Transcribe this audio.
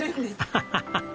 ハハハハ。